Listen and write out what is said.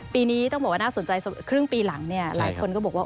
ปีนี้ต้องบอกว่าน่าสนใจครึ่งปีหลังเนี่ยหลายคนก็บอกว่า